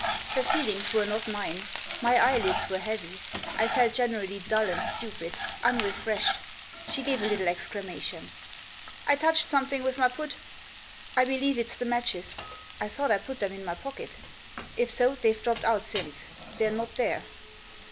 Her feelings were not mine. My eyelids were heavy. I felt generally dull and stupid, unrefreshed. She gave a little efcclamatioa " I touched something with my foot. I believe it's the matches. I thought I put them in my pocket ; if so> they've dropped out since ; they're not there.